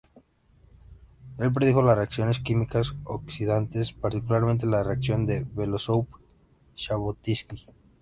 Él predijo las reacciones químicas oscilantes, particularmente la Reacción de Beloúsov-Zhabotinski.